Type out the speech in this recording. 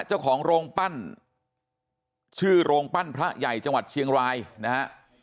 เจ้าของโรงปั้นชื่อโรงปั้นพระใหญ่จังหวัดเชียงรายนะฮะ